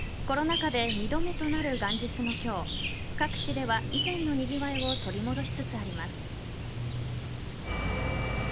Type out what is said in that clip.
コロナ禍で２度目となる元日の今日各地では以前のにぎわいを取り戻しつつあります。